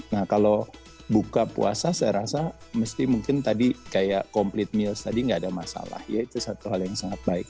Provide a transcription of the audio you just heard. nah kalau buka puasa saya rasa mesti mungkin tadi kayak complete mils tadi nggak ada masalah ya itu satu hal yang sangat baik